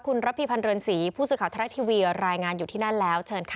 คุณระพีพันธ์เรือนศรีผู้สื่อข่าวทรัฐทีวีรายงานอยู่ที่นั่นแล้วเชิญค่ะ